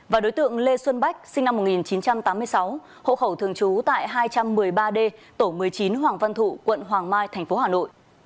và đối tượng lê xuân bách sinh năm một nghìn chín trăm tám mươi sáu hộ khẩu thường trú tại hai trăm một mươi ba d tổ một mươi chín hoàng văn thụ quận hoàng mai tp hà nội